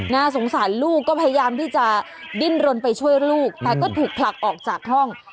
สงสารลูกก็พยายามที่จะดิ้นรนไปช่วยลูกแต่ก็ถูกผลักออกจากห้อง